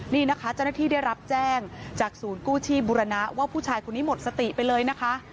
นี่นะคะเจ้าหน้าที่ได้รับแจ้งจากศูนย์กู้ชีพบุรณะว่าผู้ชายคนนี้หมดสติไปเลยนะคะ